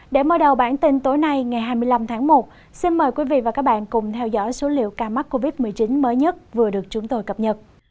để mở đầu bản tin tối nay ngày hai mươi năm tháng một xin mời quý vị và các bạn cùng theo dõi số liệu ca mắc covid một mươi chín mới nhất vừa được chúng tôi cập nhật